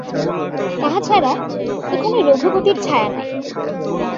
তাহা ছাড়া, এখানে রঘুপতির ছায়া নাই।